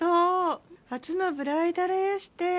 初のブライダルエステ。